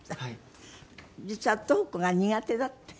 実はトークが苦手だって。